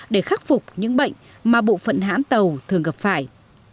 để khắc phục những bệnh mà bộ phận hãm tàu thường gặp phải